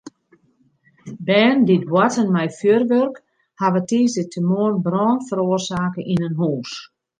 Bern dy't boarten mei fjurwurk hawwe tiisdeitemoarn brân feroarsake yn in hûs.